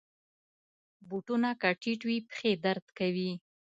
بوټونه که ټیټ وي، پښې درد کوي.